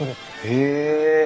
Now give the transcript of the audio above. へえ。